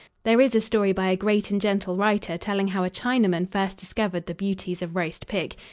There is a story by a great and gentle writer telling how a Chinaman first discovered the beauties of roast pig.